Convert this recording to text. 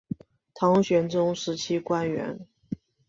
唐玄宗时期官员。